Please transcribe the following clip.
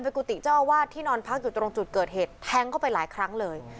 เป็นกุฏิเจ้าอาวาสที่นอนพักอยู่ตรงจุดเกิดเหตุแทงเข้าไปหลายครั้งเลย